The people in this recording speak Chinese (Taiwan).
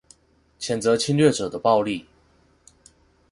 譴責侵略者的暴力